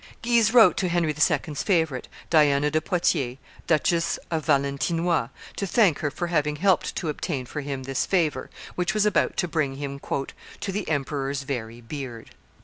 Guise wrote to Henry II.'s favorite, Diana de Poitiers, Duchess of Valentinois, to thank her for having helped to obtain for him this favor, which was about to bring him "to the emperor's very beard."